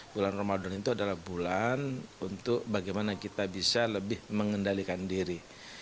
bulan ramadan itu adalah bulan untuk bagaimana kita bisa lebih mengendalikan diri